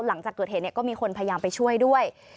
หลังจากเกิดเหตุก็มีคนพยายามไปช่วยด้วย